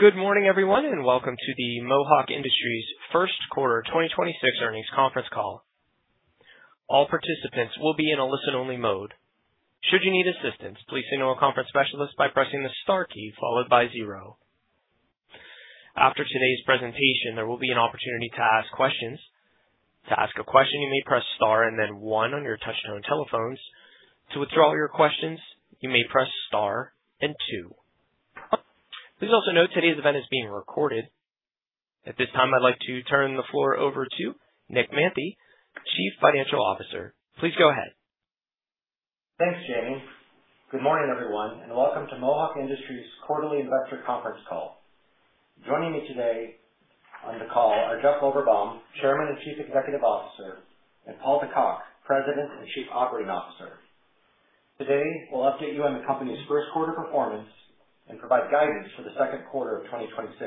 Good morning, everyone, and welcome to the Mohawk Industries first quarter 2026 earnings conference call. All participants will be in a listen-only mode. Should you need assistance, please signal a conference specialist by pressing the star key followed by zero. After today's presentation, there will be an opportunity to ask questions. To ask a question, you may press star and then one on your touchtone telephones. To withdraw your questions, you may press star and two. Please also note today's event is being recorded. At this time, I'd like to turn the floor over to Nick Manthey, Chief Financial Officer. Please go ahead. Thanks, Jamie. Good morning, everyone, and welcome to Mohawk Industries quarterly investor conference call. Joining me today on the call are Jeff Lorberbaum, Chairman and Chief Executive Officer, and Paul De Cock, President and Chief Operating Officer. Today, we'll update you on the company's first quarter performance and provide guidance for the second quarter of 2026.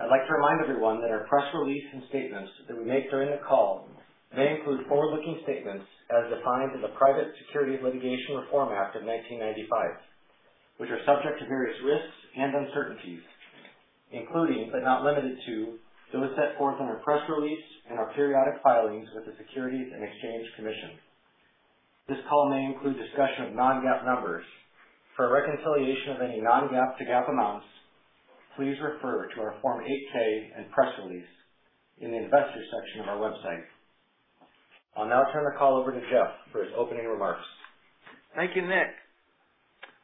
I'd like to remind everyone that our press release and statements that we make during the call may include forward-looking statements as defined in the Private Securities Litigation Reform Act of 1995, which are subject to various risks and uncertainties, including but not limited to, those set forth in our press release and our periodic filings with the Securities and Exchange Commission. This call may include discussion of non-GAAP numbers. For a reconciliation of any non-GAAP to GAAP amounts, please refer to our Form 8-K and press release in the Investors section of our website. I'll now turn the call over to Jeff for his opening remarks. Thank you, Nick.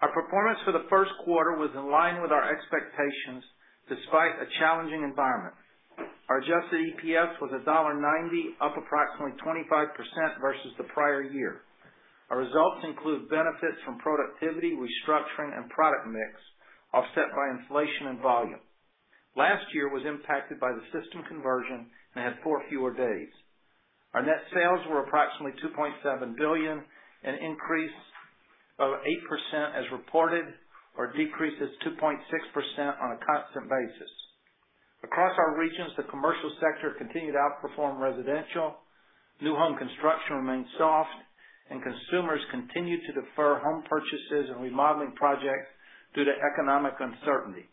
Our performance for the first quarter was in line with our expectations despite a challenging environment. Our adjusted EPS was $1.90, up approximately 25% versus the prior year. Our results include benefits from productivity, restructuring, and product mix, offset by inflation and volume. Last year was impacted by the system conversion and had four fewer days. Our net sales were approximately $2.7 billion, an increase of 8% as reported, or a decrease of 2.6% on a constant basis. Across our regions, the commercial sector continued to outperform residential. New home construction remained soft, and consumers continued to defer home purchases and remodeling projects due to economic uncertainty.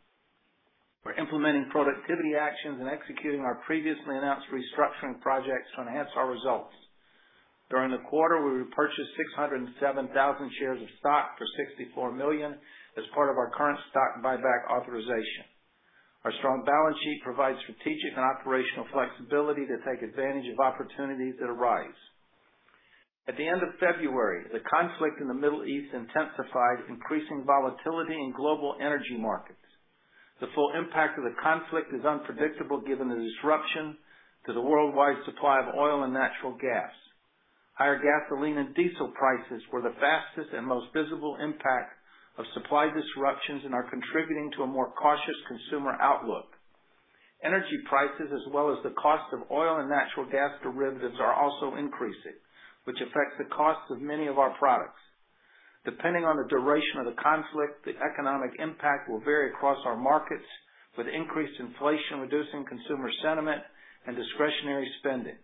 We're implementing productivity actions and executing our previously announced restructuring projects to enhance our results. During the quarter, we repurchased 607,000 shares of stock for $64 million as part of our current stock buyback authorization. Our strong balance sheet provides strategic and operational flexibility to take advantage of opportunities that arise. At the end of February, the conflict in the Middle East intensified, increasing volatility in global energy markets. The full impact of the conflict is unpredictable given the disruption to the worldwide supply of oil and natural gas. Higher gasoline and diesel prices were the fastest and most visible impact of supply disruptions and are contributing to a more cautious consumer outlook. Energy prices as well as the cost of oil and natural gas derivatives are also increasing, which affects the cost of many of our products. Depending on the duration of the conflict, the economic impact will vary across our markets with increased inflation reducing consumer sentiment and discretionary spending.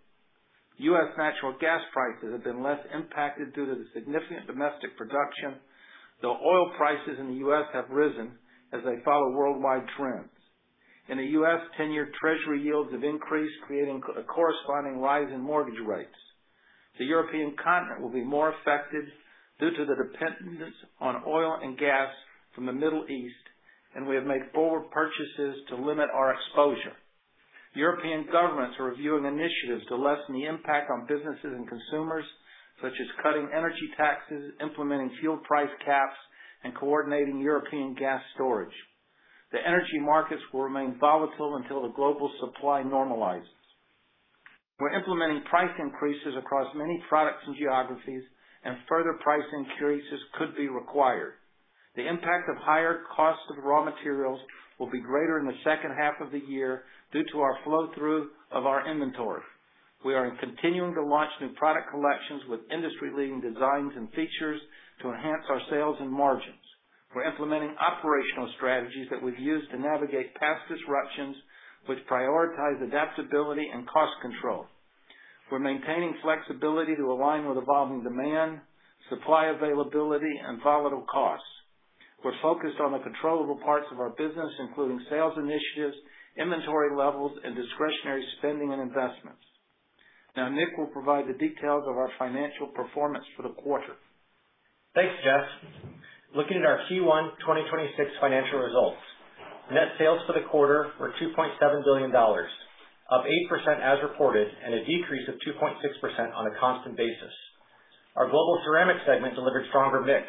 U.S. natural gas prices have been less impacted due to the significant domestic production, though oil prices in the U.S. have risen as they follow worldwide trends. In the U.S., 10-year Treasury yields have increased, creating a corresponding rise in mortgage rates. The European continent will be more affected due to the dependence on oil and gas from the Middle East, and we have made forward purchases to limit our exposure. European governments are reviewing initiatives to lessen the impact on businesses and consumers, such as cutting energy taxes, implementing fuel price caps, and coordinating European gas storage. The energy markets will remain volatile until the global supply normalizes. We're implementing price increases across many products and geographies. Further price increases could be required. The impact of higher costs of raw materials will be greater in the second half of the year due to our flow-through of our inventory. We are continuing to launch new product collections with industry-leading designs and features to enhance our sales and margins. We're implementing operational strategies that we've used to navigate past disruptions which prioritize adaptability and cost control. We're maintaining flexibility to align with evolving demand, supply availability, and volatile costs. We're focused on the controllable parts of our business, including sales initiatives, inventory levels, and discretionary spending and investments. Nick will provide the details of our financial performance for the quarter. Thanks, Jeff. Looking at our Q1 2026 financial results. Net sales for the quarter were $2.7 billion, up 8% as reported and a decrease of 2.6% on a constant basis. Our Global Ceramic segment delivered stronger mix,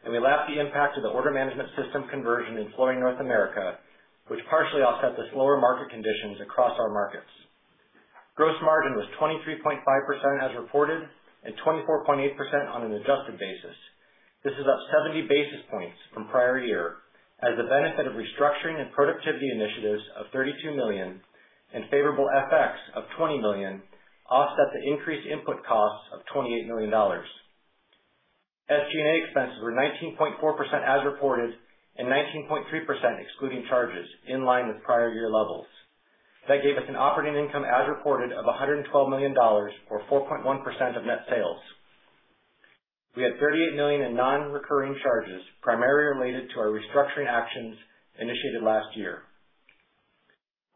and we lapped the impact of the order management system conversion in Flooring North America, which partially offset the slower market conditions across our markets. Gross margin was 23.5% as reported and 24.8% on an adjusted basis. This is up 70 basis points from prior year as the benefit of restructuring and productivity initiatives of $32 million and favorable FX of $20 million offset the increased input costs of $28 million. SG&A expenses were 19.4% as reported and 19.3% excluding charges in line with prior year levels. That gave us an operating income as reported of $112 million or 4.1% of net sales. We had $38 million in non-recurring charges, primarily related to our restructuring actions initiated last year.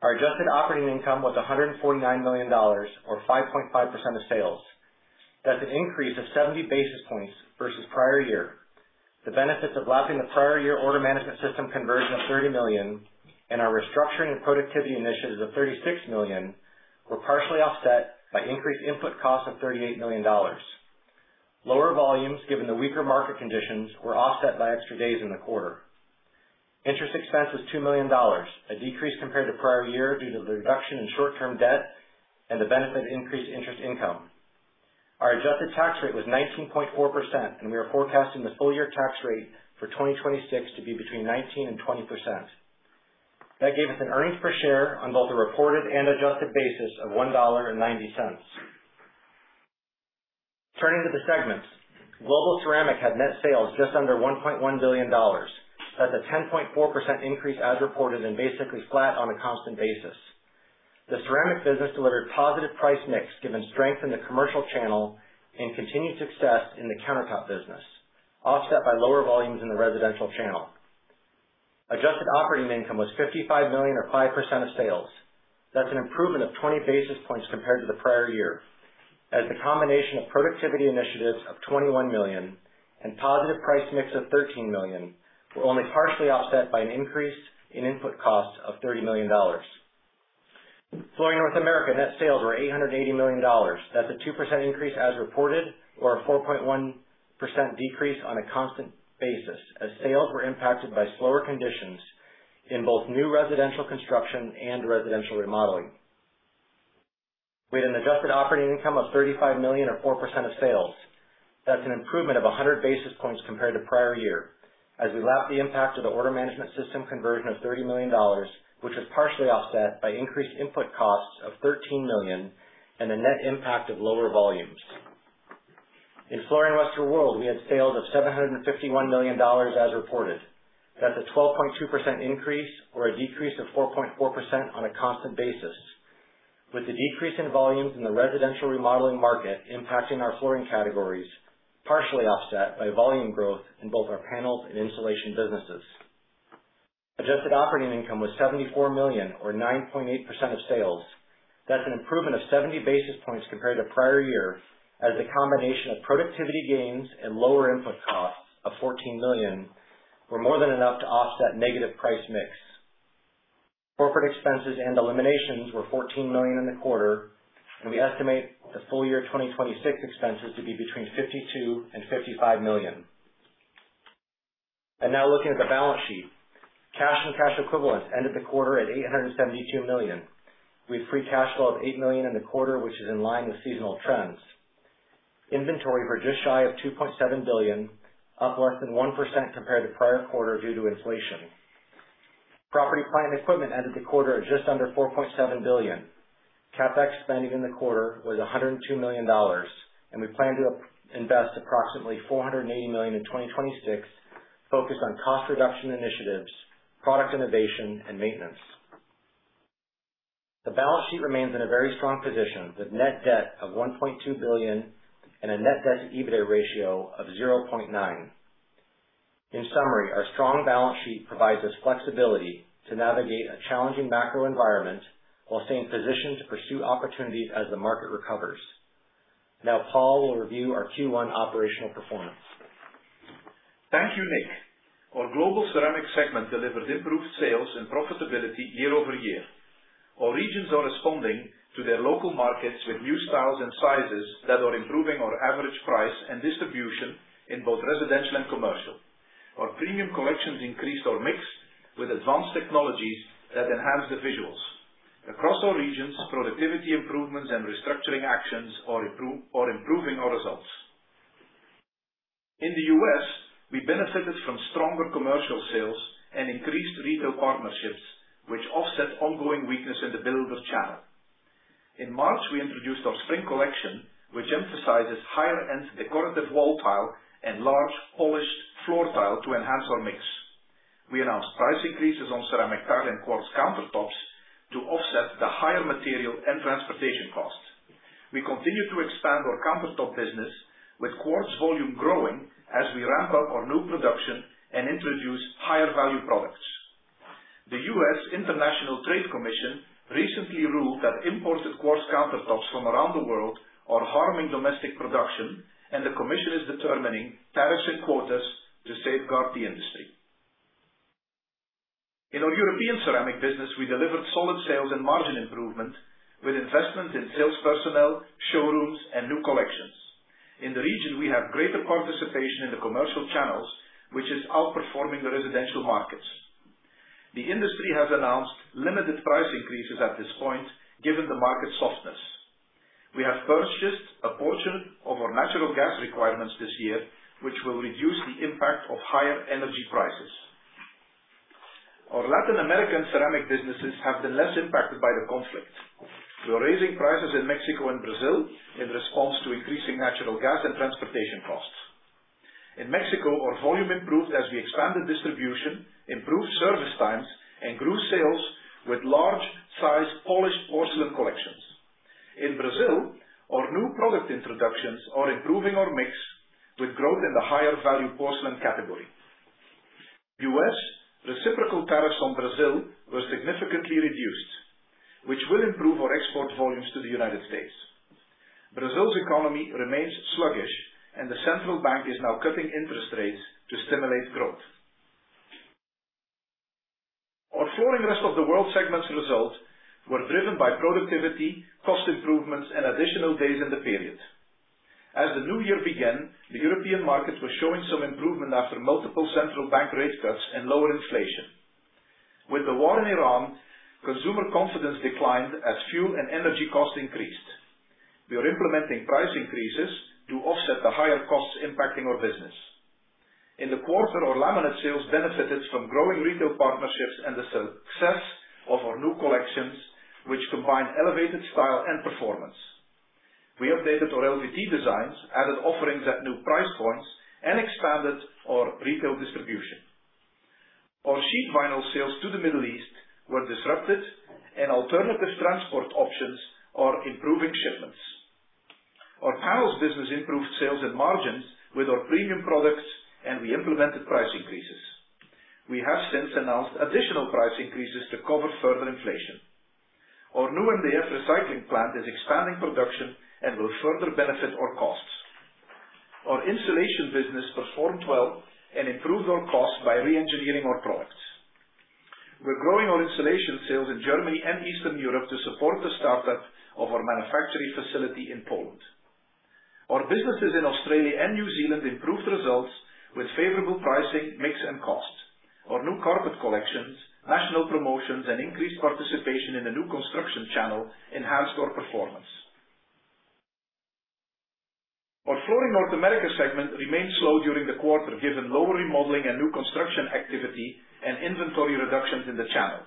Our adjusted operating income was $149 million or 5.5% of sales. That's an increase of 70 basis points versus prior year. The benefits of lapping the prior year order management system conversion of $30 million and our restructuring and productivity initiatives of $36 million were partially offset by increased input costs of $38 million. Lower volumes, given the weaker market conditions, were offset by extra days in the quarter. Interest expense was $2 million, a decrease compared to prior year due to the reduction in short-term debt and the benefit of increased interest income. Our adjusted tax rate was 19.4%, and we are forecasting the full year tax rate for 2026 to be between 19%-20%. That gave us an earnings per share on both a reported and adjusted basis of $1.90. Turning to the segments. Global Ceramic had net sales just under $1.1 billion. That's a 10.4% increase as reported and basically flat on a constant basis. The ceramic business delivered positive price mix given strength in the commercial channel and continued success in the countertop business, offset by lower volumes in the residential channel. Adjusted operating income was $55 million or 5% of sales. That's an improvement of 20 basis points compared to the prior year, as the combination of productivity initiatives of $21 million and positive price mix of $13 million were only partially offset by an increase in input costs of $30 million. Flooring North America net sales were $880 million. That's a 2% increase as reported or a 4.1% decrease on a constant basis as sales were impacted by slower conditions in both new residential construction and residential remodeling. We had an adjusted operating income of $35 million or 4% of sales. That's an improvement of 100 basis points compared to prior year as we lapped the impact of the order management system conversion of $30 million, which was partially offset by increased input costs of $13 million and the net impact of lower volumes. In Flooring Rest of the World, we had sales of $751 million as reported. That's a 12.2% increase or a decrease of 4.4% on a constant basis, with the decrease in volumes in the residential remodeling market impacting our flooring categories, partially offset by volume growth in both our panels and insulation businesses. Adjusted operating income was $74 million or 9.8% of sales. That's an improvement of 70 basis points compared to prior year as the combination of productivity gains and lower input costs of $14 million were more than enough to offset negative price mix. Corporate expenses and eliminations were $14 million in the quarter, and we estimate the full year 2026 expenses to be between $52 million and $55 million. Now looking at the balance sheet. Cash and cash equivalents ended the quarter at $872 million. We had free cash flow of $8 million in the quarter, which is in line with seasonal trends. Inventory were just shy of $2.7 billion, up less than 1% compared to prior quarter due to inflation. Property, plant, and equipment ended the quarter at just under $4.7 billion. CapEx spending in the quarter was $102 million, we plan to invest approximately $480 million in 2026 focused on cost reduction initiatives, product innovation, and maintenance. The balance sheet remains in a very strong position with net debt of $1.2 billion and a net debt to EBITDA ratio of 0.9%. In summary, our strong balance sheet provides us flexibility to navigate a challenging macro environment while staying positioned to pursue opportunities as the market recovers. Now Paul will review our Q1 operational performance. Thank you, Nick. Our Global Ceramic segment delivered improved sales and profitability year-over-year. Our regions are responding to their local markets with new styles and sizes that are improving our average price and distribution in both residential and commercial. Our premium collections increased our mix with advanced technologies that enhance the visuals. Across all regions, productivity improvements and restructuring actions are improving our results. In the U.S., we benefited from stronger commercial sales and increased retail partnerships, which offset ongoing weakness in the builder channel. In March, we introduced our spring collection, which emphasizes higher end decorative wall tile and large polished floor tile to enhance our mix. We announced price increases on ceramic tile and quartz countertops to offset the higher material and transportation costs. We continue to expand our countertop business with quartz volume growing as we ramp up our new production and introduce higher value products. The U.S. International Trade Commission recently ruled that imported quartz countertops from around the world are harming domestic production. The commission is determining tariffs and quotas to safeguard the industry. In our European ceramic business, we delivered solid sales and margin improvement with investment in sales personnel, showrooms, and new collections. In the region, we have greater participation in the commercial channels, which is outperforming the residential markets. The industry has announced limited price increases at this point, given the market softness. We have purchased a portion of our natural gas requirements this year, which will reduce the impact of higher energy prices. Our Latin American ceramic businesses have been less impacted by the conflict. We are raising prices in Mexico and Brazil in response to increasing natural gas and transportation costs. In Mexico, our volume improved as we expanded distribution, improved service times, and grew sales with large size polished porcelain collections. In Brazil, our new product introductions are improving our mix with growth in the higher value porcelain category. U.S. reciprocal tariffs on Brazil were significantly reduced, which will improve our export volumes to the United States. Brazil's economy remains sluggish, and the central bank is now cutting interest rates to stimulate growth. Our Flooring Rest of the World segment's results were driven by productivity, cost improvements, and additional days in the period. As the new year began, the European market was showing some improvement after multiple central bank rate cuts and lower inflation. With the war in Iran, consumer confidence declined as fuel and energy costs increased. We are implementing price increases to offset the higher costs impacting our business. In the quarter, our laminate sales benefited from growing retail partnerships and the success of our new collections, which combine elevated style and performance. We updated our LVT designs, added offerings at new price points, and expanded our retail distribution. Our sheet vinyl sales to the Middle East were disrupted, and alternative transport options are improving shipments. Our tiles business improved sales and margins with our premium products, and we implemented price increases. We have since announced additional price increases to cover further inflation. Our new MDF recycling plant is expanding production and will further benefit our costs. Our insulation business performed well and improved our costs by reengineering our products. We're growing our insulation sales in Germany and Eastern Europe to support the startup of our manufacturing facility in Poland. Our businesses in Australia and New Zealand improved results with favorable pricing, mix, and cost. Our new carpet collections, national promotions, and increased participation in the new construction channel enhanced our performance. Our Flooring North America segment remained slow during the quarter, given lower remodeling and new construction activity and inventory reductions in the channel.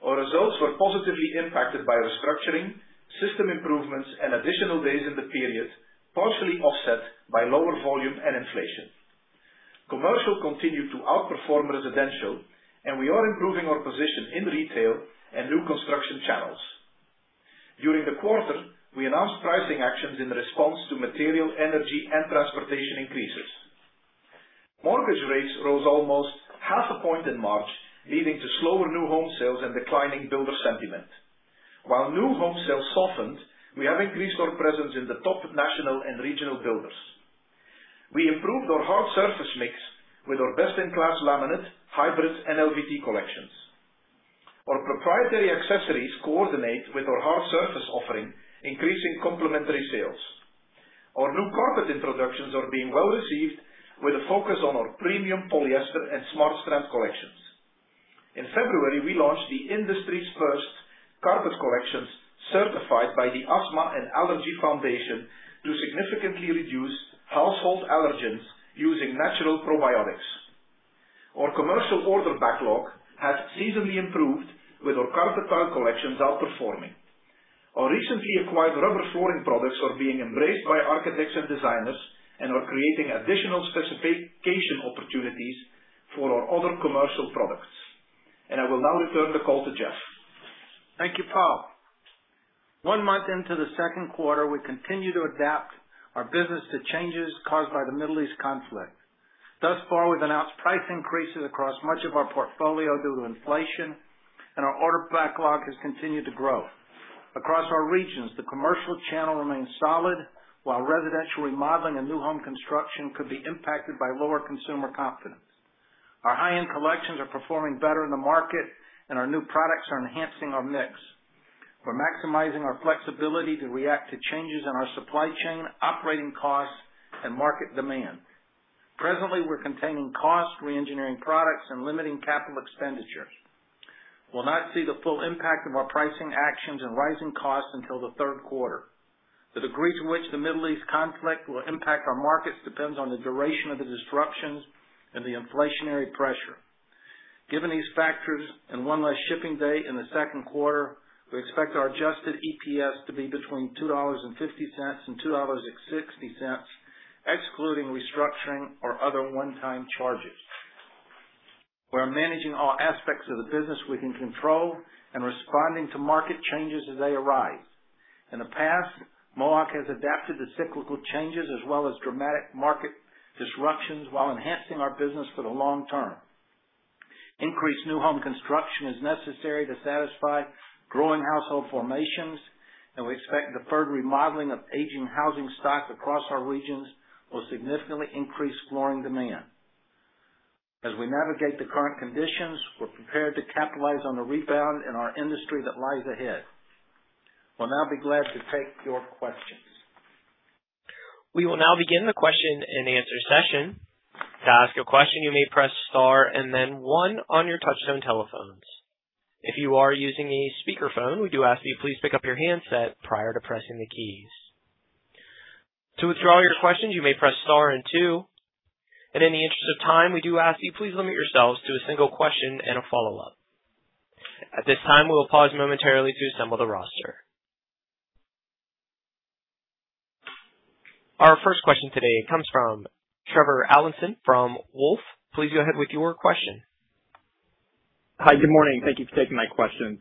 Our results were positively impacted by restructuring, system improvements, and additional days in the period, partially offset by lower volume and inflation. Commercial continued to outperform residential, and we are improving our position in retail and new construction channels. During the quarter, we announced pricing actions in response to material, energy, and transportation increases. Mortgage rates rose almost half a point in March, leading to slower new home sales and declining builder sentiment. While new home sales softened, we have increased our presence in the top national and regional builders. We improved our hard surface mix with our best-in-class laminate, hybrid, and LVT collections. Our proprietary accessories coordinate with our hard surface offering, increasing complementary sales. Our new carpet introductions are being well received with a focus on our premium polyester and SmartStrand collections. In February, we launched the industry's first carpet collections certified by the Asthma & Allergy Foundation to significantly reduce household allergens using natural probiotics. Our commercial order backlog has seasonally improved with our carpet tile collections outperforming. Our recently acquired rubber flooring products are being embraced by architects and designers and are creating additional specification opportunities for our other commercial products. I will now return the call to Jeff. Thank you, Paul. One month into the second quarter, we continue to adapt our business to changes caused by the Middle East conflict. Thus far, we've announced price increases across much of our portfolio due to inflation, and our order backlog has continued to grow. Across our regions, the commercial channel remains solid, while residential remodeling and new home construction could be impacted by lower consumer confidence. Our high-end collections are performing better in the market, and our new products are enhancing our mix. We're maximizing our flexibility to react to changes in our supply chain, operating costs, and market demand. Presently, we're containing costs, reengineering products, and limiting capital expenditures. We'll not see the full impact of our pricing actions and rising costs until the third quarter. The degree to which the Middle East conflict will impact our markets depends on the duration of the disruptions and the inflationary pressure. Given these factors and one less shipping day in the second quarter, we expect our adjusted EPS to be between $2.50 and $2.60, excluding restructuring or other one-time charges. We are managing all aspects of the business we can control and responding to market changes as they arise. In the past, Mohawk has adapted to cyclical changes as well as dramatic market disruptions while enhancing our business for the long term. Increased new home construction is necessary to satisfy growing household formations, and we expect deferred remodeling of aging housing stock across our regions will significantly increase flooring demand. As we navigate the current conditions, we're prepared to capitalize on the rebound in our industry that lies ahead. We'll now be glad to take your questions. We will now begin the question and answer session. To ask a question, you may press star and then one on your touchtone telephones. If you are using a speakerphone, we do ask you please pick up your handset prior to pressing the keys. To withdraw your question, you may press star and two. In the interest of time, we do ask that you please limit yourselves to a single question and a follow-up. At this time, we will pause momentarily to assemble the roster. Our first question today comes from Trevor Allinson from Wolfe Research. Please go ahead with your question. Hi, good morning. Thank you for taking my questions.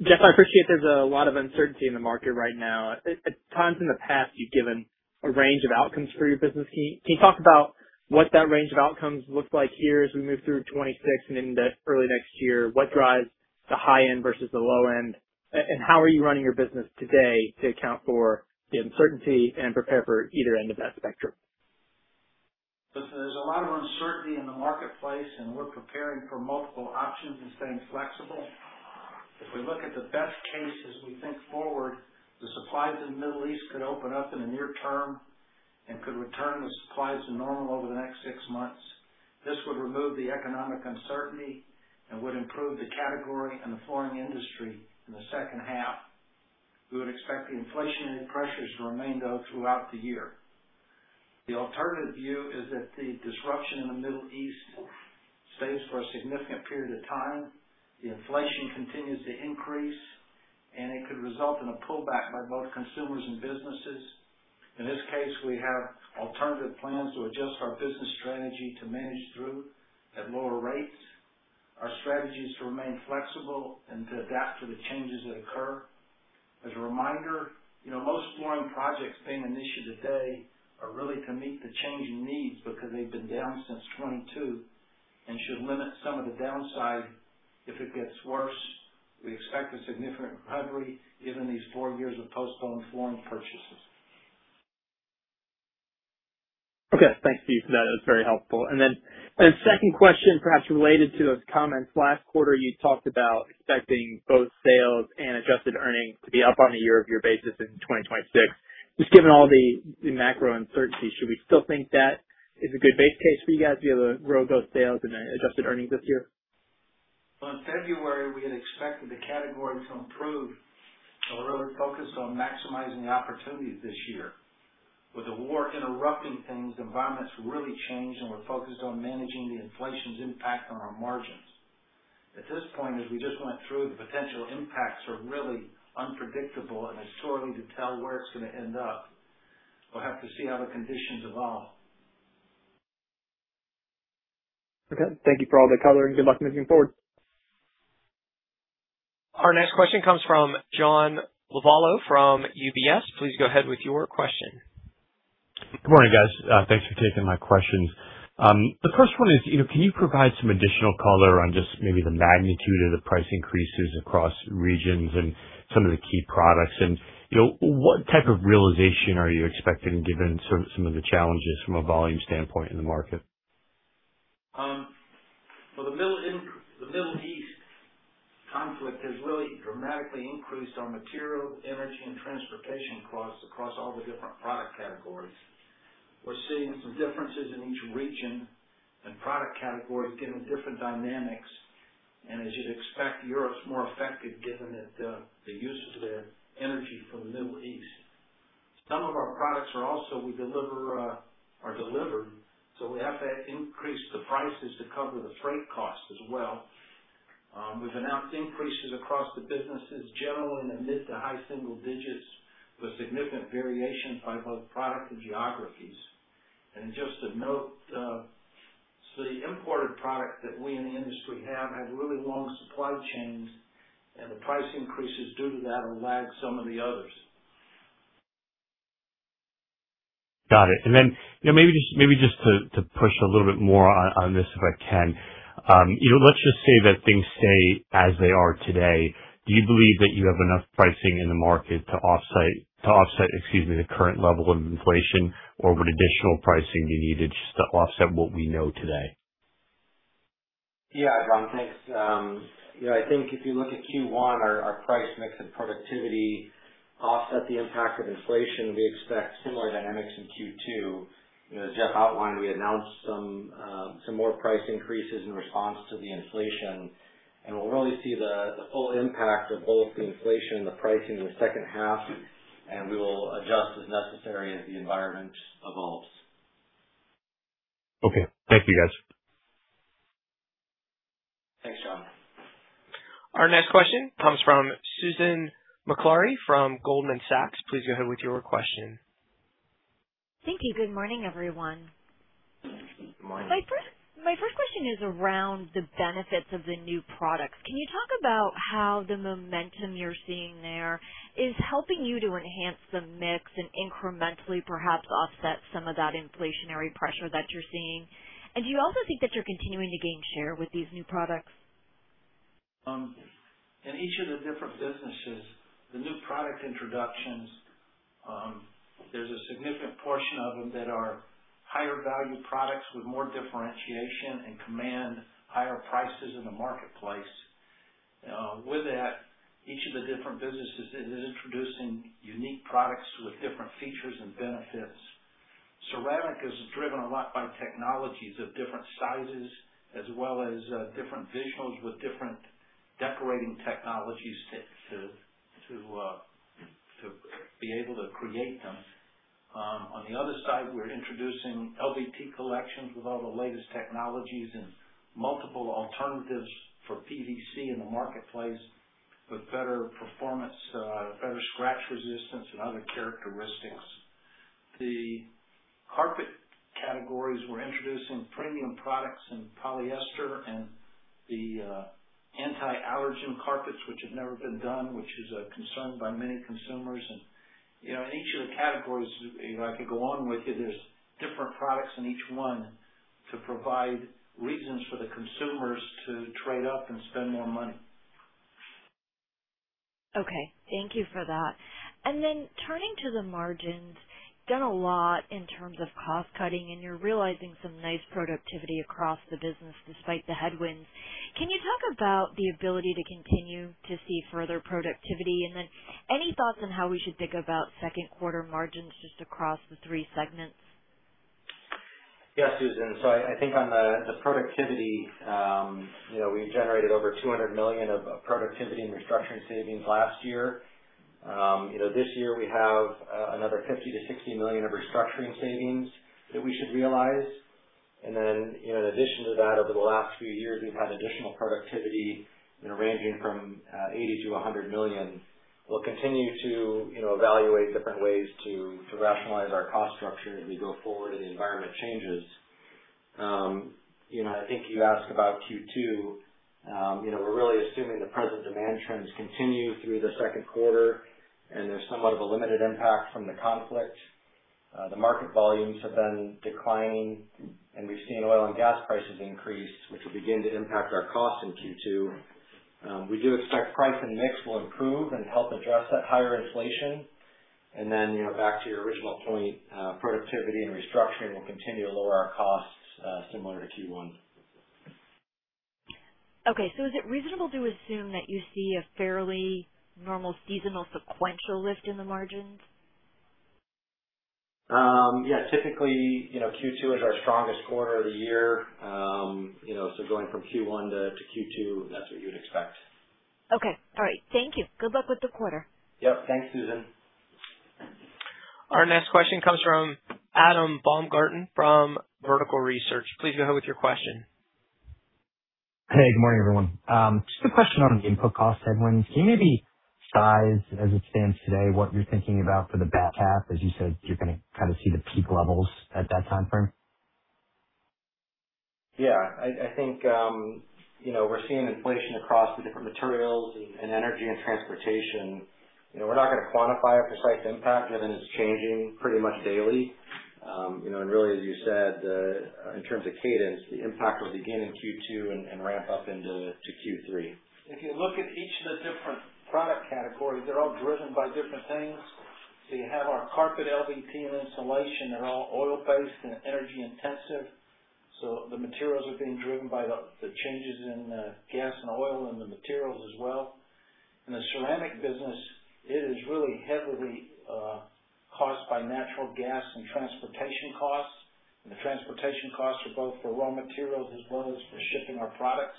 Jeff, I appreciate there's a lot of uncertainty in the market right now. At times in the past, you've given a range of outcomes for your business. Can you talk about what that range of outcomes looks like here as we move through 2026 and into early next year? What drives the high end versus the low end? How are you running your business today to account for the uncertainty and prepare for either end of that spectrum? Look, there's a lot of uncertainty in the marketplace, and we're preparing for multiple options and staying flexible. If we look at the best case as we think forward, the supplies in the Middle East could open up in the near term and could return the supplies to normal over the next six months. This would remove the economic uncertainty and would improve the category and the flooring industry in the second half. We would expect the inflationary pressures to remain, though, throughout the year. The alternative view is that the disruption in the Middle East stays for a significant period of time, the inflation continues to increase, and it could result in a pullback by both consumers and businesses. In this case, we have alternative plans to adjust our business strategy to manage through at lower rates. Our strategy is to remain flexible and to adapt to the changes that occur. As a reminder, you know, most flooring projects being initiated today are really to meet the changing needs because they've been down since 2022 and should limit some of the downside if it gets worse. We expect a significant recovery given these four years of postponed flooring purchases. Okay. Thank you for that. That was very helpful. Second question, perhaps related to those comments. Last quarter, you talked about expecting both sales and adjusted earnings to be up on a year-over-year basis in 2026. Just given all the macro uncertainty, should we still think that is a good base case for you guys to be able to grow both sales and adjusted earnings this year? Well, in February, we had expected the category to improve, and we're really focused on maximizing the opportunities this year. With the war interrupting things, the environment's really changed, and we're focused on managing the inflation's impact on our margins. At this point, as we just went through, the potential impacts are really unpredictable, and it's too early to tell where it's gonna end up. We'll have to see how the conditions evolve. Okay. Thank you for all the color, and good luck moving forward. Our next question comes from John Lovallo from UBS. Please go ahead with your question. Good morning, guys. Thanks for taking my questions. The first one is, you know, can you provide some additional color on just maybe the magnitude of the price increases across regions and some of the key products? You know, what type of realization are you expecting given some of the challenges from a volume standpoint in the market? Well, the Middle East conflict has really dramatically increased our material, energy, and transportation costs across all the different product categories. We're seeing some differences in each region and product category given different dynamics. As you'd expect, Europe's more affected given that the usage there, energy from the Middle East. Some of our products are also delivered, so we have to increase the prices to cover the freight costs as well. We've announced increases across the businesses, generally in the mid to high single digits, with significant variation by both product and geographies. Just to note, so the imported product that we in the industry have really long supply chains, and the price increases due to that will lag some of the others. Got it. You know, maybe just to push a little bit more on this, if I can. You know, let's just say that things stay as they are today. Do you believe that you have enough pricing in the market to offset, excuse me, the current level of inflation, or would additional pricing be needed just to offset what we know today? Yeah, John, thanks. You know, I think if you look at Q1, our price mix and productivity offset the impact of inflation. We expect similar dynamics in Q2. You know, as Jeff outlined, we announced some more price increases in response to the inflation, and we'll really see the full impact of both the inflation and the pricing in the second half, and we will adjust as necessary as the environment evolves. Okay. Thank you, guys. Thanks, John. Our next question comes from Susan Maklari from Goldman Sachs. Please go ahead with your question. Thank you. Good morning, everyone. Morning. My first question is around the benefits of the new products. Can you talk about how the momentum you're seeing there is helping you to enhance the mix and incrementally perhaps offset some of that inflationary pressure that you're seeing? Do you also think that you're continuing to gain share with these new products? In each of the different businesses, the new product introductions, there's a significant portion of them that are higher value products with more differentiation and command higher prices in the marketplace. With that, each of the different businesses is introducing unique products with different features and benefits. Ceramic is driven a lot by technologies of different sizes as well as different visuals with different decorating technologies to be able to create them. On the other side, we're introducing LVT collections with all the latest technologies and multiple alternatives for PVC in the marketplace, with better performance, better scratch resistance and other characteristics. The carpet categories, we're introducing premium products in polyester and the anti-allergen carpets, which have never been done, which is a concern by many consumers. You know, in each of the categories, you know, I could go on with it, there's different products in each one to provide reasons for the consumers to trade up and spend more money. Okay. Thank you for that. Turning to the margins, done a lot in terms of cost cutting, and you're realizing some nice productivity across the business despite the headwinds. Can you talk about the ability to continue to see further productivity? Any thoughts on how we should think about second quarter margins just across the three segments? Yes, Susan. I think on the productivity, you know, we've generated over $200 million of productivity and restructuring savings last year. You know, this year we have another $50 million-$60 million of restructuring savings that we should realize. You know, in addition to that, over the last few years, we've had additional productivity, you know, ranging from $80 million-$100 million. We'll continue to, you know, evaluate different ways to rationalize our cost structure as we go forward and the environment changes. You know, I think you asked about Q2. You know, we're really assuming the present demand trends continue through the second quarter, and there's somewhat of a limited impact from the conflict. The market volumes have been declining, and we've seen oil and gas prices increase, which will begin to impact our costs in Q2. We do expect price and mix will improve and help address that higher inflation. Then, you know, back to your original point, productivity and restructuring will continue to lower our costs, similar to Q1. Okay. Is it reasonable to assume that you see a fairly normal seasonal sequential lift in the margins? Yeah, typically, you know, Q2 is our strongest quarter of the year. You know, going from Q1-Q2, that's what you would expect. Okay. All right. Thank you. Good luck with the quarter. Yep. Thanks, Susan. Our next question comes from Adam Baumgarten from Vertical Research. Please go ahead with your question. Hey, good morning, everyone. Just a question on input cost headwinds. Can you maybe size, as it stands today, what you're thinking about for the back half? As you said, you're gonna kinda see the peak levels at that time frame. Yeah. I think, you know, we're seeing inflation across the different materials and energy and transportation. You know, we're not gonna quantify a precise impact, given it's changing pretty much daily. You know, and really, as you said, in terms of cadence, the impact will begin in Q2 and ramp up into Q3. If you look at each of the different product categories, they're all driven by different things. You have our carpet LVP and insulation, they're all oil-based and energy intensive, so the materials are being driven by the changes in gas and oil and the materials as well. In the ceramic business, it is really heavily caused by natural gas and transportation costs. The transportation costs are both for raw materials as well as for shipping our products.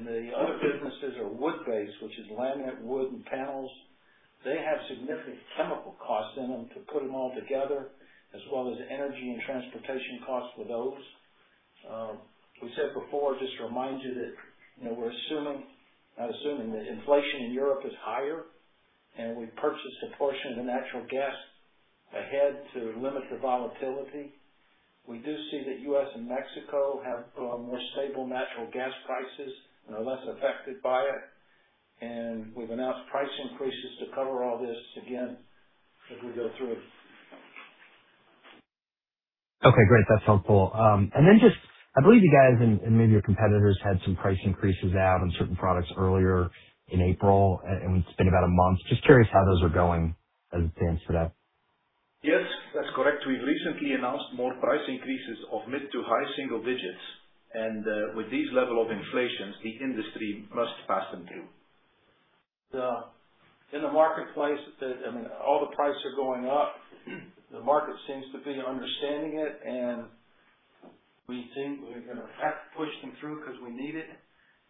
The other businesses are wood-based, which is laminate wood and panels. They have significant chemical costs in them to put them all together, as well as energy and transportation costs for those. We said before, just to remind you that, you know, we're assuming, not assuming, that inflation in Europe is higher, and we purchased a portion of the natural gas ahead to limit the volatility. We do see that U.S. and Mexico have, more stable natural gas prices and are less affected by it. We've announced price increases to cover all this again as we go through. Okay, great. That's helpful. Then just I believe you guys and maybe your competitors had some price increases out on certain products earlier in April, and it's been about a month. Just curious how those are going as it stands today. Yes, that's correct. We've recently announced more price increases of mid to high single digits. With these level of inflations, the industry must pass them through. In the marketplace that, I mean, all the prices are going up. The market seems to be understanding it. We think we're gonna have to push them through because we need it.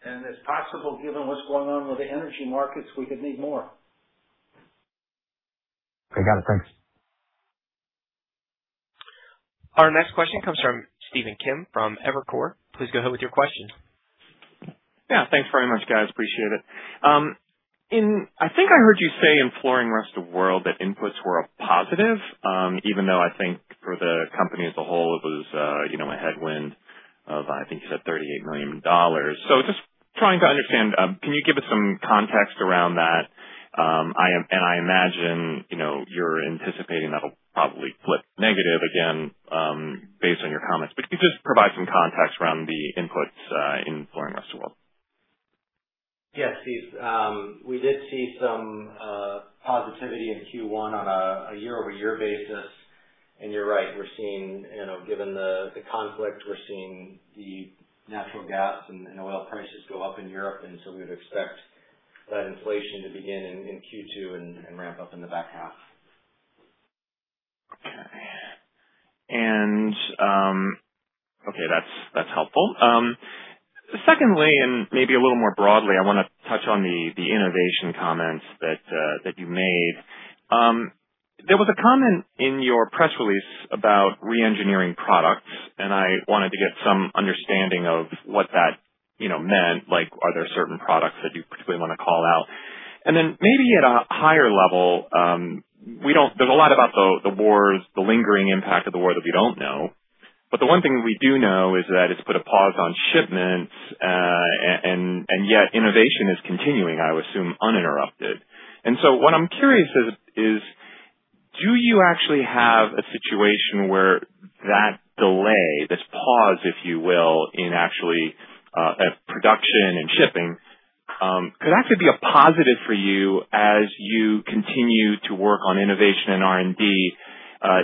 It's possible, given what's going on with the energy markets, we could need more. Okay, got it. Thanks. Our next question comes from Stephen Kim from Evercore. Please go ahead with your question. Yeah. Thanks very much, guys. Appreciate it. I think I heard you say in Flooring Rest of World that inputs were a positive, even though I think for the company as a whole, it was, you know, a headwind of, I think you said $38 million. Just trying to understand, can you give us some context around that? I imagine, you know, you're anticipating that'll probably flip negative again, based on your comments. Can you just provide some context around the inputs in Flooring Rest of World? Yes, Stephen. We did see some positivity in Q1 on a year-over-year basis. You're right, we're seeing, you know, given the conflict, we're seeing the natural gas and oil prices go up in Europe, and so we would expect that inflation to begin in Q2 and ramp up in the back half. Okay, that's helpful. Secondly, and maybe a little more broadly, I wanna touch on the innovation comments that you made. There was a comment in your press release about re-engineering products, and I wanted to get some understanding of what that, you know, meant. Like, are there certain products that you particularly wanna call out? Maybe at a higher level, there's a lot about the war, the lingering impact of the war that we don't know, but the one thing we do know is that it's put a pause on shipments, and yet innovation is continuing, I would assume, uninterrupted. What I'm curious is do you actually have a situation where that delay, this pause, if you will, in actually production and shipping, could actually be a positive for you as you continue to work on innovation and R&D?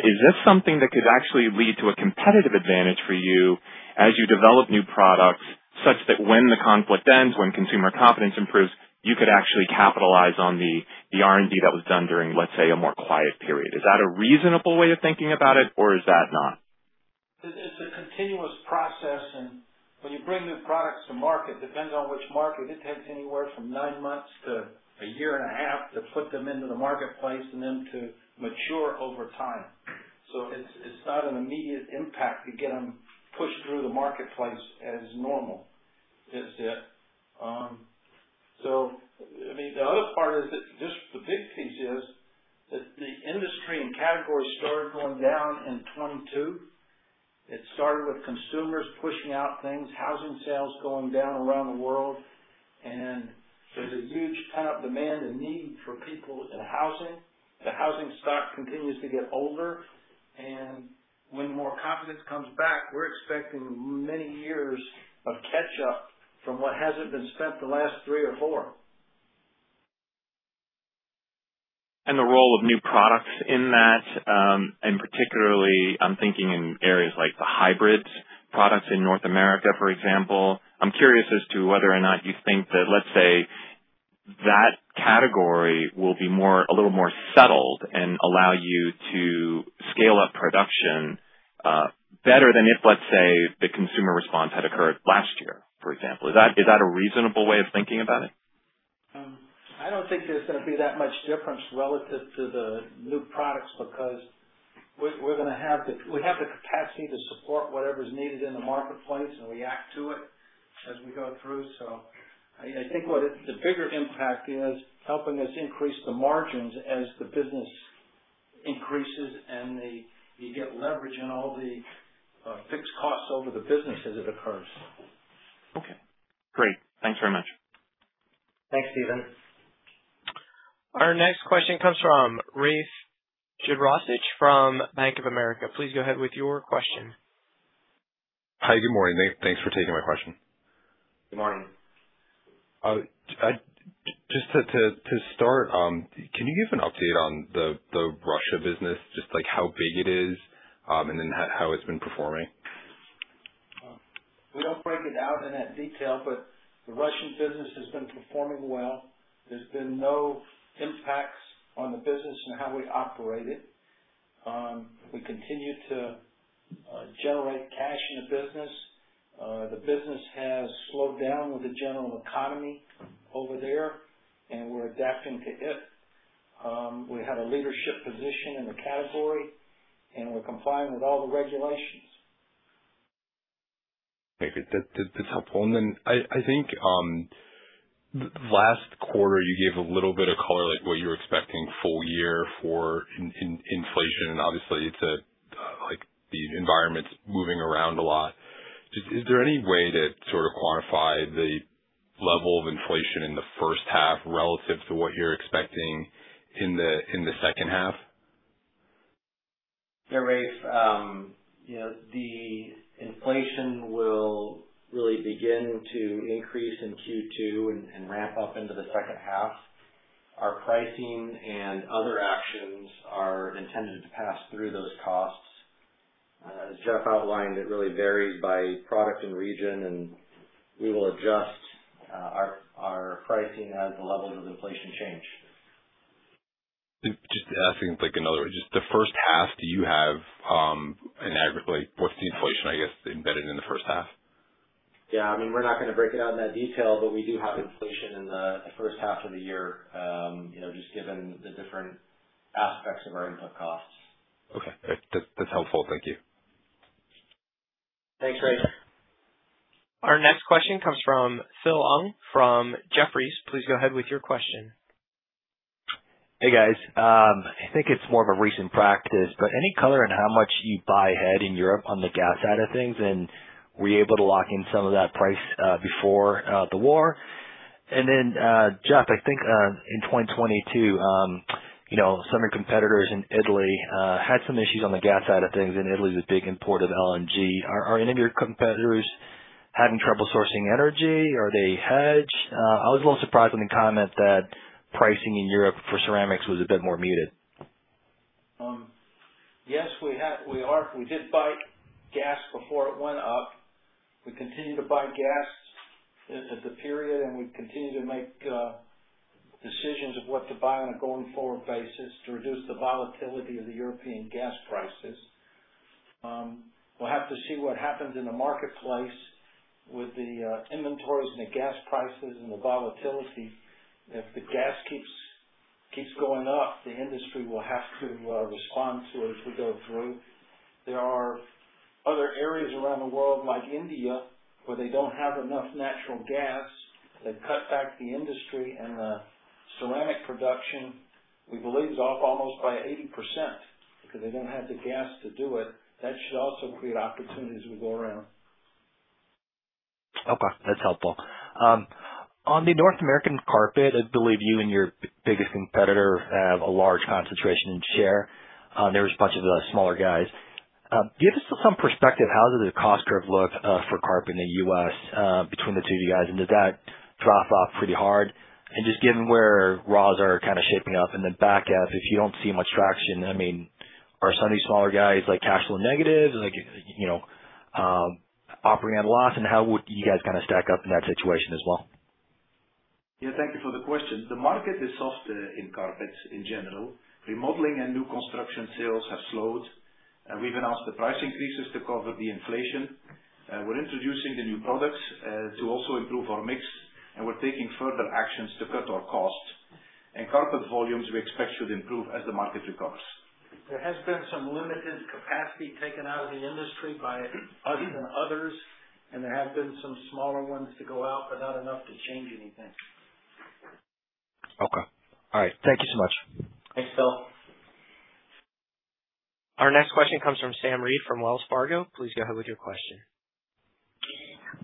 Is this something that could actually lead to a competitive advantage for you as you develop new products, such that when the conflict ends, when consumer confidence improves, you could actually capitalize on the R&D that was done during, let's say, a more quiet period? Is that a reasonable way of thinking about it, or is that not? It's a continuous process, and when you bring new products to market, depends on which market, it takes anywhere from nine months to a year and a half to put them into the marketplace and then to mature over time. It's not an immediate impact to get them pushed through the marketplace as normal, is it? I mean, the other part is that just the big piece is that the industry and categories started going down in 2022. It started with consumers pushing out things, housing sales going down around the world, and there's a huge pent-up demand and need for people in housing. The housing stock continues to get older, and when more confidence comes back, we're expecting many years of catch up from what hasn't been spent the last three or four. The role of new products in that, particularly I'm thinking in areas like the hybrids products in North America, for example. I'm curious as to whether or not you think that, let's say, that category will be more, a little more settled and allow you to scale up production better than if, let's say, the consumer response had occurred last year, for example. Is that a reasonable way of thinking about it? I don't think there's gonna be that much difference relative to the new products because We have the capacity to support whatever's needed in the marketplace and react to it as we go through. I think the bigger impact is helping us increase the margins as the business increases and the, you get leverage in all the fixed costs over the business as it occurs. Okay, great. Thanks very much. Thanks, Stephen. Our next question comes from Rafe Jadrosich from Bank of America. Please go ahead with your question. Hi. Good morning. Thanks for taking my question. Good morning. Just to start, can you give an update on the Russia business, just like how big it is, and then how it's been performing? We don't break it out in that detail, but the Russian business has been performing well. There's been no impacts on the business and how we operate it. We continue to generate cash in the business. The business has slowed down with the general economy over there, and we're adapting to it. We have a leadership position in the category, and we're complying with all the regulations. Great. That's helpful. I think last quarter you gave a little bit of color, like what you were expecting full year for inflation, and obviously it's a like the environment's moving around a lot. Just is there any way to sort of quantify the level of inflation in the first half relative to what you're expecting in the second half? Yeah, Rafe, you know, the inflation will really begin to increase in Q2 and ramp up into the second half. Our pricing and other actions are intended to pass through those costs. As Jeff outlined, it really varies by product and region, and we will adjust our pricing as the levels of inflation change. Just asking. Just the first half, do you have an aggregate, like what's the inflation, I guess, embedded in the first half? Yeah, I mean, we're not gonna break it out in that detail, but we do have inflation in the first half of the year, you know, just given the different aspects of our input costs. Okay. That's helpful. Thank you. Thanks, Rafe. Our next question comes from Phil Ng from Jefferies. Please go ahead with your question. Hey, guys. I think it's more of a recent practice, but any color on how much you buy ahead in Europe on the gas side of things, and were you able to lock in some of that price before the war? Then, Jeff, I think, in 2022, you know, some of your competitors in Italy had some issues on the gas side of things, and Italy is a big importer of LNG. Are any of your competitors having trouble sourcing energy? Are they hedged? I was a little surprised when you comment that pricing in Europe for ceramics was a bit more muted. Yes, we have. We are. We did buy gas before it went up. We continue to buy gas at the period, and we continue to make Decisions of what to buy on a going forward basis to reduce the volatility of the European gas prices. We'll have to see what happens in the marketplace with the inventories and the gas prices and the volatility. If the gas keeps going up, the industry will have to respond to it as we go through. There are other areas around the world, like India, where they don't have enough natural gas. They've cut back the industry and the ceramic production, we believe is off almost by 80% because they don't have the gas to do it. That should also create opportunities as we go around. Okay, that's helpful. On the North American carpet, I believe you and your biggest competitor have a large concentration in share. There's a bunch of the smaller guys. Do you have just some perspective, how does the cost curve look for carpet in the U.S. between the two of you guys? Does that drop off pretty hard? Just given where raws are kinda shaping up and then back half, if you don't see much traction, I mean, are some of these smaller guys like cash flow negative? Like, you know, operating at a loss, how would you guys kinda stack up in that situation as well? Yeah, thank you for the question. The market is softer in carpets in general. Remodeling and new construction sales have slowed. We even asked the price increases to cover the inflation. We're introducing the new products to also improve our mix, and we're taking further actions to cut our cost. Carpet volumes we expect should improve as the market recovers. There has been some limited capacity taken out of the industry by us and others, and there have been some smaller ones to go out, but not enough to change anything. Okay. All right. Thank you so much. Thanks, Phil. Our next question comes from Sam Reid from Wells Fargo. Please go ahead with your question.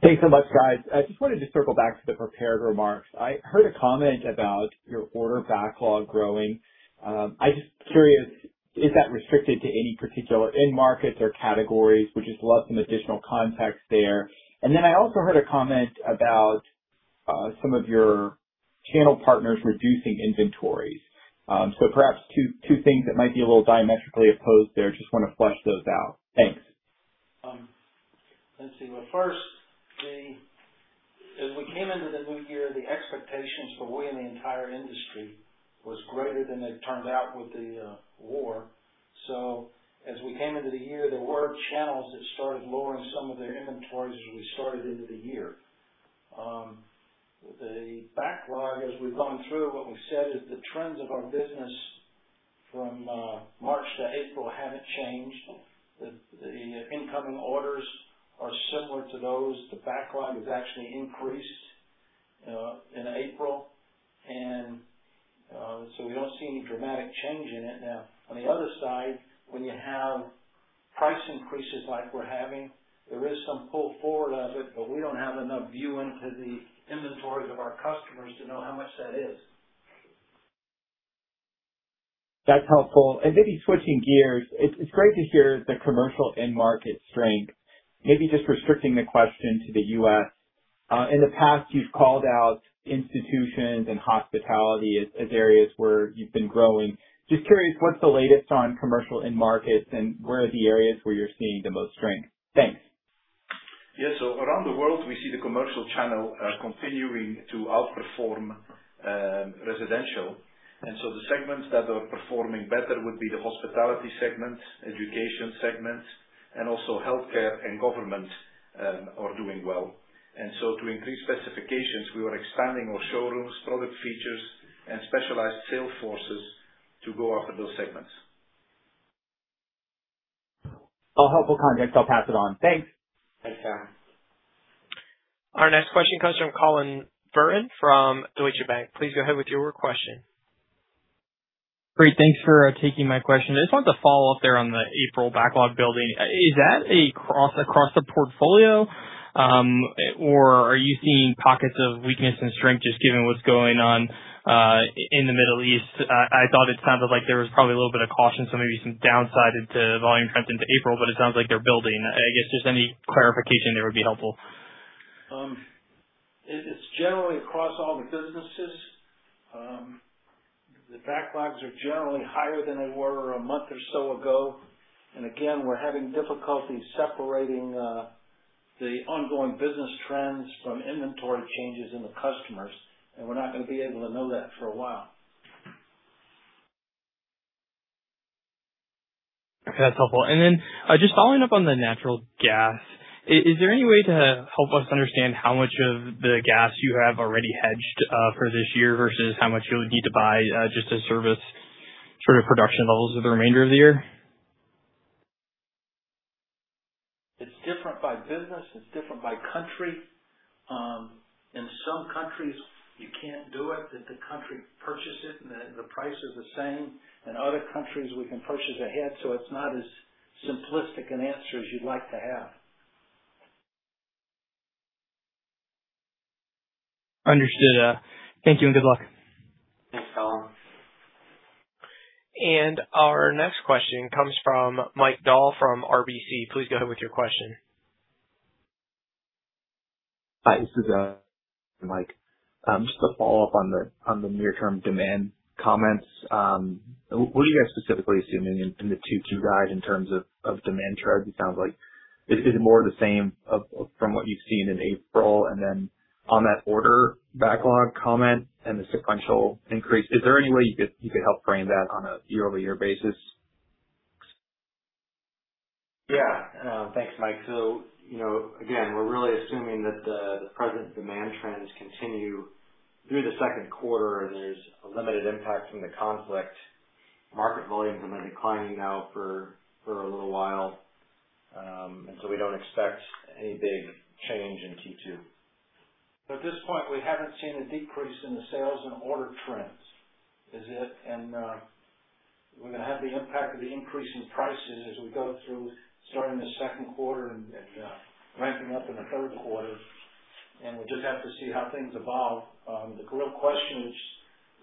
Thanks so much, guys. I just wanted to circle back to the prepared remarks. I heard a comment about your order backlog growing. I just curious, is that restricted to any particular end markets or categories, would you just love some additional context there? I also heard a comment about some of your channel partners reducing inventories. Perhaps two things that might be a little diametrically opposed there. Just wanna flesh those out. Thanks. Let's see. Well, first, as we came into the new year, the expectations for we and the entire industry was greater than it turned out with the war. As we came into the year, there were channels that started lowering some of their inventories as we started into the year. The backlog as we've gone through, what we've said is the trends of our business from March to April haven't changed. The incoming orders are similar to those. The backlog has actually increased in April. We don't see any dramatic change in it. On the other side, when you have price increases like we're having, there is some pull forward of it, but we don't have enough view into the inventories of our customers to know how much that is. That's helpful. Maybe switching gears, it's great to hear the commercial end market strength. Maybe just restricting the question to the U.S. In the past you've called out institutions and hospitality as areas where you've been growing. Just curious, what's the latest on commercial end markets and where are the areas where you're seeing the most strength? Thanks. Yeah. Around the world, we see the commercial channel continuing to outperform residential. The segments that are performing better would be the hospitality segments, education segments, and also healthcare and government are doing well. To increase specifications, we are expanding our showrooms, product features, and specialized sales forces to go after those segments. All helpful context. I'll pass it on. Thanks. Thanks, Sam. Our next question comes from Collin Verron from Deutsche Bank. Please go ahead with your question. Great. Thanks for taking my question. I just wanted to follow up there on the April backlog building. Is that across the portfolio? Or are you seeing pockets of weakness and strength just given what's going on in the Middle East? I thought it sounded like there was probably a little bit of caution, so maybe some downside into volume trends into April, but it sounds like they're building. I guess just any clarification there would be helpful. It's generally across all the businesses. The backlogs are generally higher than they were a month or so ago. Again, we're having difficulty separating the ongoing business trends from inventory changes in the customers, and we're not gonna be able to know that for a while. Okay, that's helpful. Just following up on the natural gas, is there any way to help us understand how much of the gas you have already hedged for this year versus how much you would need to buy just to service sort of production levels for the remainder of the year? It's different by business, it's different by country. In some countries you can't do it, that the country purchases it and the price is the same. In other countries, we can purchase ahead, so it's not as simplistic an answer as you'd like to have. Understood. Thank you and good luck. Thanks, Collin. Our next question comes from Mike Dahl from RBC. Please go ahead with your question. Hi, this is Mike. Just to follow up on the near term demand comments. What are you guys specifically assuming in the two key guides in terms of demand trends? Is it more the same of from what you've seen in April? On that order backlog comment and the sequential increase, is there any way you could help frame that on a year-over-year basis? Thanks, Mike. You know, again, we're really assuming that the present demand trends continue through the second quarter, and there's a limited impact from the conflict. Market volumes have been declining now for a little while. We don't expect any big change in Q2. At this point, we haven't seen a decrease in the sales and order trends. We're gonna have the impact of the increase in prices as we go through starting the second quarter and ramping up in the third quarter. We'll just have to see how things evolve. The real question is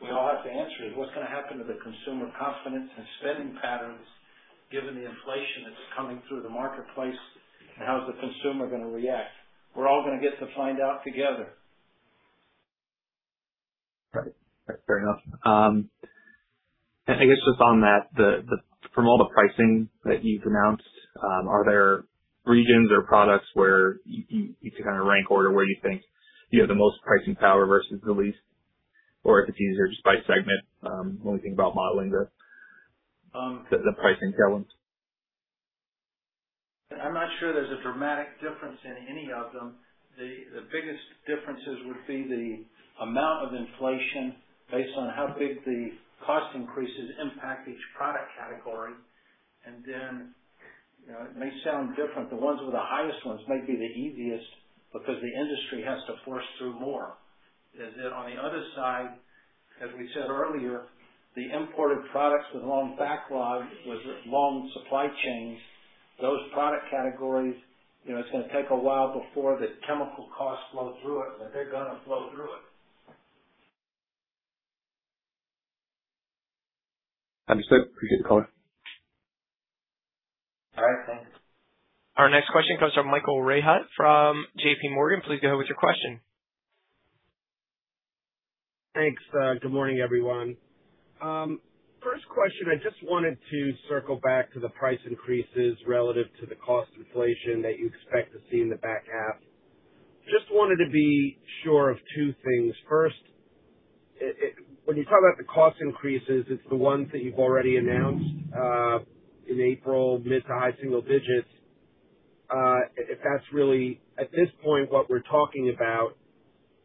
we all have to answer is: What's gonna happen to the consumer confidence and spending patterns given the inflation that's coming through the marketplace, and how is the consumer gonna react? We're all gonna get to find out together. Right. Fair enough. I guess just on that, the from all the pricing that you've announced, are there regions or products where you can kind of rank order where you think you have the most pricing power versus the least? Or if it's easier just by segment, when we think about modeling the pricing tailwinds. I'm not sure there's a dramatic difference in any of them. The biggest differences would be the amount of inflation based on how big the cost increases impact each product category. You know, it may sound different. The ones with the highest ones might be the easiest because the industry has to force through more. As in on the other side, as we said earlier, the imported products with long backlog, with long supply chains, those product categories, you know, it's gonna take a while before the chemical costs flow through it, but they're gonna flow through it. Understood. Appreciate the color. All right, thanks. Our next question comes from Michael Rehaut from JPMorgan. Please go ahead with your question. Thanks. Good morning, everyone. First question, I just wanted to circle back to the price increases relative to the cost inflation that you expect to see in the back half. Just wanted to be sure of two things. First, when you talk about the cost increases, it's the ones that you've already announced in April, mid to high single digits, if that's really at this point what we're talking about.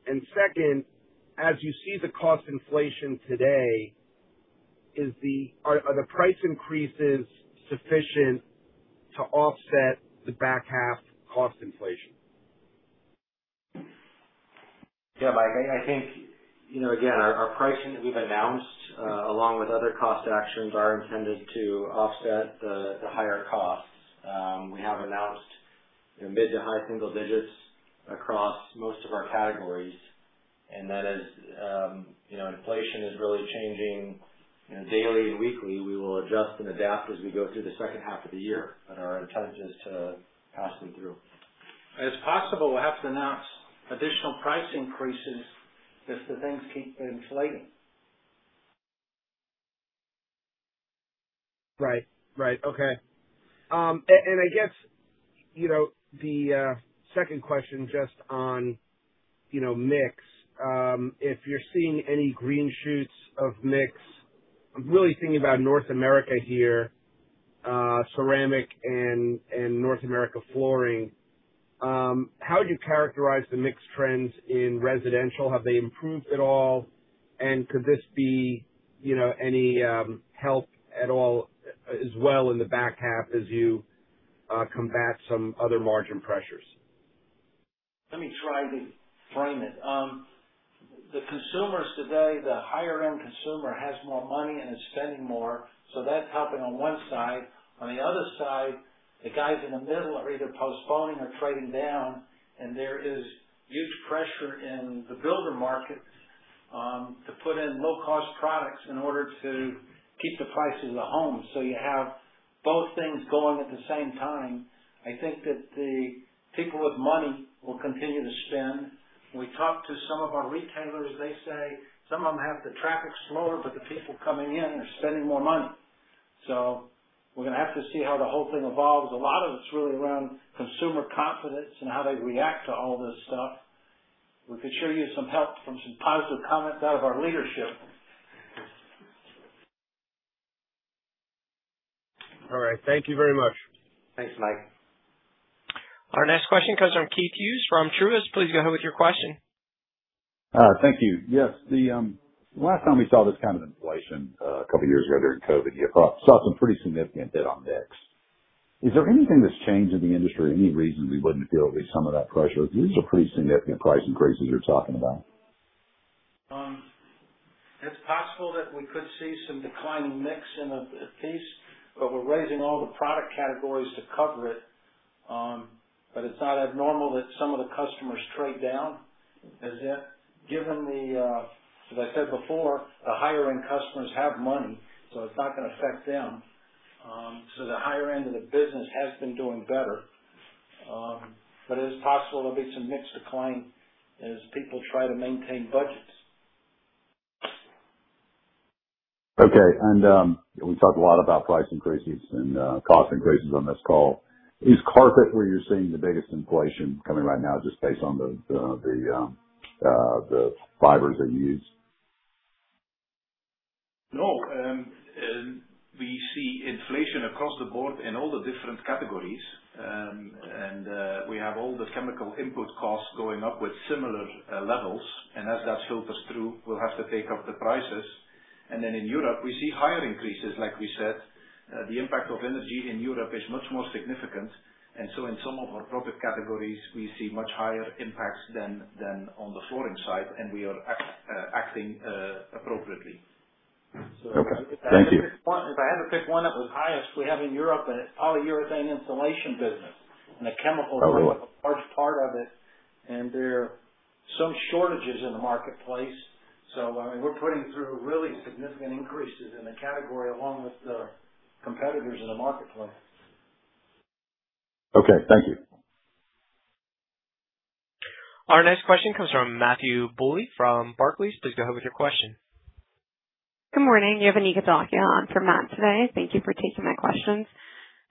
Second, as you see the cost inflation today, are the price increases sufficient to offset the back half cost inflation? Yeah, Mike, I think, you know, again, our pricing that we've announced, along with other cost actions are intended to offset the higher costs. We have announced, you know, mid to high single digits across most of our categories. That is, you know, inflation is really changing, you know, daily and weekly. We will adjust and adapt as we go through the second half of the year. Our intent is to pass them through. It's possible we'll have to announce additional price increases if the things keep inflating. Right. Right. Okay. I guess, you know, the second question just on, you know, mix. If you're seeing any green shoots of mix, I'm really thinking about North America here, Ceramic and North America Flooring. How would you characterize the mix trends in residential? Have they improved at all? Could this be, you know, any help at all as well in the back half as you combat some other margin pressures? Let me try to frame it. The consumers today, the higher end consumer has more money and is spending more, so that's helping on one side. On the other side, the guys in the middle are either postponing or trading down, and there is huge pressure in the builder market to put in low cost products in order to keep the price of the home. You have both things going at the same time. I think that the people with money will continue to spend. We talked to some of our retailers. They say some of them have the traffic slower, but the people coming in are spending more money. We're gonna have to see how the whole thing evolves. A lot of it's really around consumer confidence and how they react to all this stuff. We could sure use some help from some positive comments out of our leadership. All right. Thank you very much. Thanks, Mike. Our next question comes from Keith Hughes from Truist. Please go ahead with your question. Thank you. Yes. The last time we saw this kind of inflation, a couple years ago during COVID, you saw some pretty significant hit on mix. Is there anything that's changed in the industry or any reason we wouldn't feel at least some of that pressure? These are pretty significant price increases you're talking about. It's possible that we could see some declining mix in a piece, but we're raising all the product categories to cover it. It's not abnormal that some of the customers trade down, as in given the, as I said before, the higher end customers have money, so it's not gonna affect them. The higher end of the business has been doing better. It is possible there'll be some mix decline as people try to maintain budgets. Okay. We talked a lot about price increases and cost increases on this call. Is carpet where you're seeing the biggest inflation coming right now just based on the fibers that you use? No. We see inflation across the board in all the different categories. We have all the chemical input costs going up with similar levels. As that filters through, we'll have to take up the prices. Then in Europe, we see higher increases like we said. The impact of energy in Europe is much more significant. In some of our profit categories, we see much higher impacts than on the flooring side, and we are acting appropriately. Okay. Thank you. If I had to pick one, if I had to pick one up with highest we have in Europe, a polyurethane insulation business. Oh, really? -is a large part of it, and there are some shortages in the marketplace. I mean, we're putting through really significant increases in the category along with the competitors in the marketplace. Okay, thank you. Our next question comes from Matthew Bouley from Barclays. Please go ahead with your question. Good morning. You have Anika Dholakia for Matt today. Thank you for taking my questions.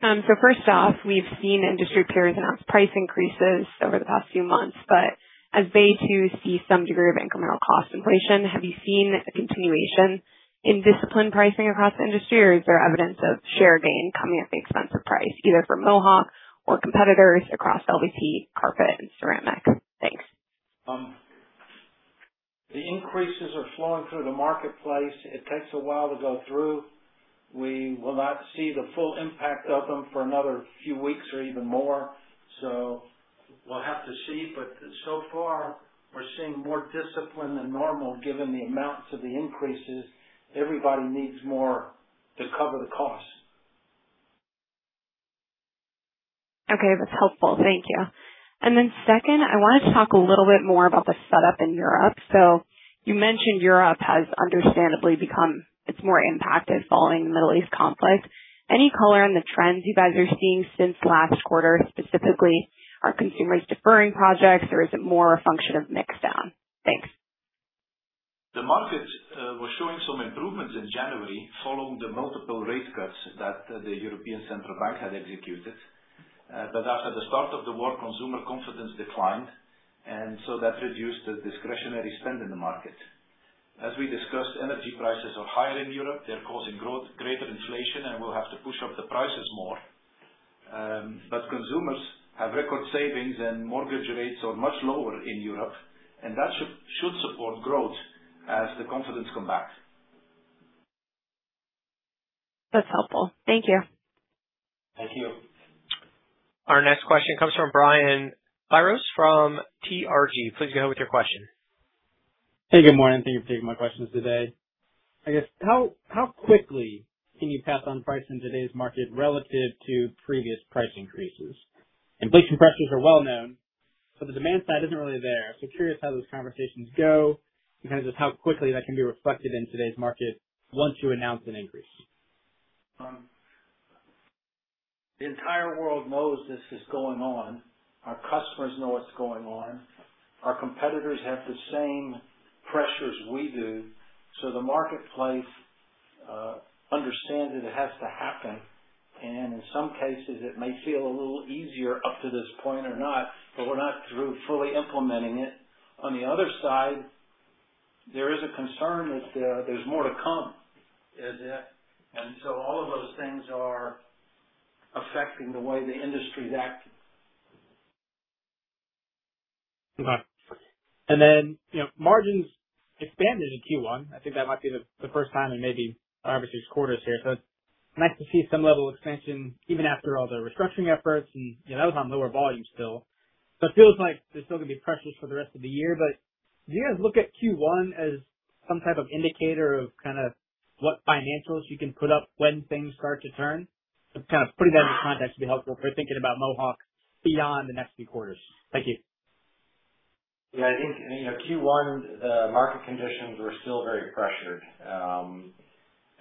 First off, we've seen industry peers announce price increases over the past few months, but as they too see some degree of incremental cost inflation, have you seen a continuation in disciplined pricing across the industry? Is there evidence of share gain coming at the expense of price, either for Mohawk or competitors across LVP, carpet, and ceramic? Thanks. The increases are flowing through the marketplace. It takes a while to go through. We will not see the full impact of them for another few weeks or even more, so we'll have to see. So far we're seeing more discipline than normal given the amounts of the increases. Everybody needs more to cover the cost. Okay, that's helpful. Thank you. Then second, I wanted to talk a little bit more about the setup in Europe. You mentioned Europe has understandably become. It's more impacted following the Middle East conflict. Any color on the trends you guys are seeing since last quarter, specifically are consumers deferring projects or is it more a function of mix down? Thanks. The market was showing some improvements in January following the multiple rate cuts that the European Central Bank had executed. After the start of the war, consumer confidence declined, that reduced the discretionary spend in the market. As we discussed, energy prices are higher in Europe. They're causing growth, greater inflation, and we'll have to push up the prices more. Consumers have record savings and mortgage rates are much lower in Europe, and that should support growth as the confidence come back. That's helpful. Thank you. Thank you. Our next question comes from Brian Biros from TRG. Please go ahead with your question. Hey, good morning. Thank you for taking my questions today. I guess how quickly can you pass on price in today's market relative to previous price increases? Inflation pressures are well known, but the demand side isn't really there. Curious how those conversations go in terms of how quickly that can be reflected in today's market once you announce an increase. The entire world knows this is going on. Our customers know what's going on. Our competitors have the same pressures we do. The marketplace understands that it has to happen, and in some cases, it may feel a little easier up to this point or not, but we're not through fully implementing it. On the other side, there is a concern that there's more to come. All of those things are affecting the way the industry's acting. Okay. Then, you know, margins expanded in Q1. I think that might be the first time in maybe five or six quarters here. It's nice to see some level of expansion even after all the restructuring efforts. You know, that was on lower volume still. It feels like there's still going to be pressures for the rest of the year. Do you guys look at Q1 as some type of indicator of kind of what financials you can put up when things start to turn? Just kind of putting that into context would be helpful if we're thinking about Mohawk beyond the next few quarters. Thank you. Yeah, I think, you know, Q1, the market conditions were still very pressured.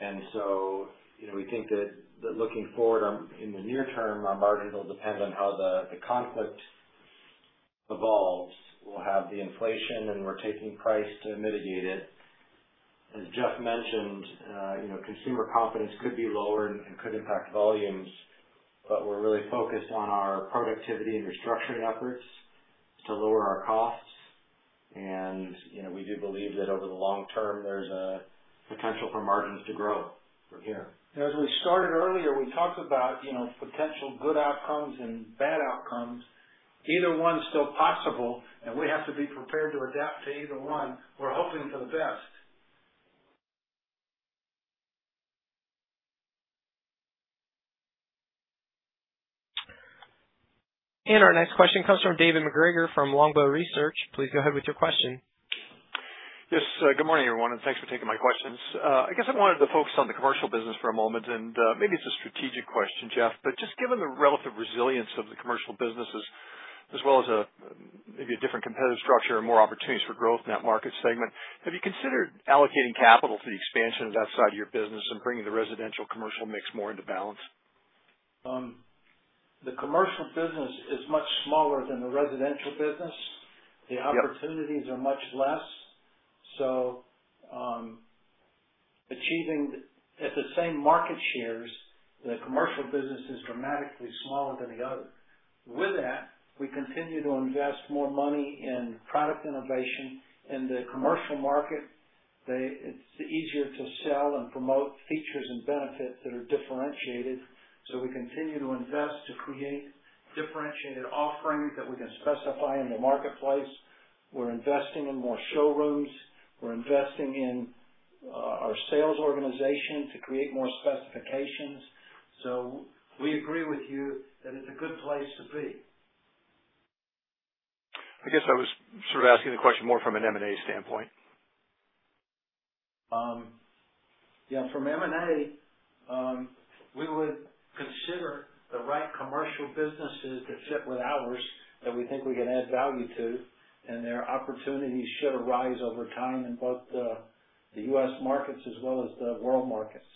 you know, we think that looking forward on, in the near term, our margins will depend on how the conflict evolves. We'll have the inflation, we're taking price to mitigate it. As Jeff mentioned, you know, consumer confidence could be lower and could impact volumes. We're really focused on our productivity and restructuring efforts to lower our costs. you know, we do believe that over the long term, there's a potential for margins to grow from here. As we started earlier, we talked about, you know, potential good outcomes and bad outcomes. Either one's still possible, and we have to be prepared to adapt to either one. We're hoping for the best. Our next question comes from David MacGregor from Longbow Research. Please go ahead with your question. Good morning, everyone, and thanks for taking my questions. I guess I wanted to focus on the commercial business for a moment, and maybe it's a strategic question, Jeff. Just given the relative resilience of the commercial businesses as well as a, maybe a different competitive structure and more opportunities for growth in that market segment, have you considered allocating capital to the expansion of that side of your business and bringing the residential commercial mix more into balance? The commercial business is much smaller than the residential business. Yeah. The opportunities are much less. Achieving at the same market shares, the commercial business is dramatically smaller than the other. With that, we continue to invest more money in product innovation. In the commercial market, it's easier to sell and promote features and benefits that are differentiated. We continue to invest to create differentiated offerings that we can specify in the marketplace. We're investing in more showrooms. We're investing in our sales organization to create more specifications. We agree with you that it's a good place to be. I guess I was sort of asking the question more from an M&A standpoint. From M&A, we would consider the right commercial businesses that fit with ours that we think we can add value to. Their opportunities should arise over time in both the U.S. markets as well as the world markets.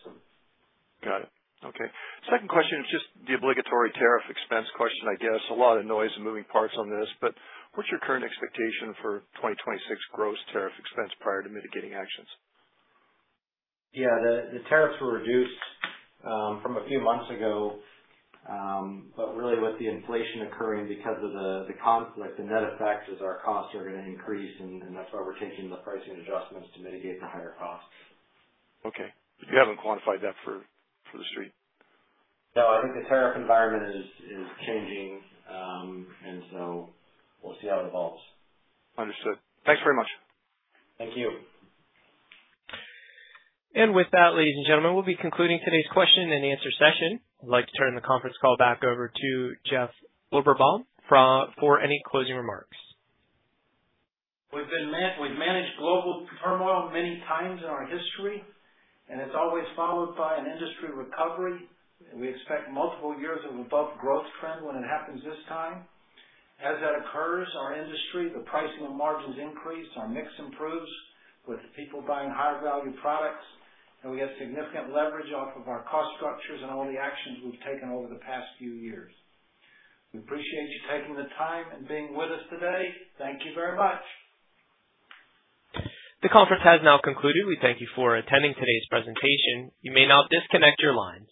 Got it. Okay. Second question is just the obligatory tariff expense question. I guess a lot of noise and moving parts on this, but what's your current expectation for 2026 gross tariff expense prior to mitigating actions? Yeah. The tariffs were reduced from a few months ago. Really with the inflation occurring because of the conflict, the net effect is our costs are gonna increase and that's why we're taking the pricing adjustments to mitigate the higher costs. Okay. You haven't quantified that for the street? No, I think the tariff environment is changing. We'll see how it evolves. Understood. Thanks very much. Thank you. With that, ladies and gentlemen, we'll be concluding today's question and answer session. I'd like to turn the conference call back over to Jeff Lorberbaum for any closing remarks. We've managed global turmoil many times in our history, and it's always followed by an industry recovery. We expect multiple years of above growth trend when it happens this time. As that occurs, our industry, the pricing and margins increase, our mix improves with people buying higher value products, and we have significant leverage off of our cost structures and all the actions we've taken over the past few years. We appreciate you taking the time and being with us today. Thank you very much. The conference has now concluded. We thank you for attending today's presentation. You may now disconnect your lines.